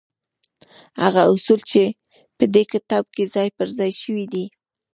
هغه اصول چې په دې کتاب کې ځای پر ځای شوي دي.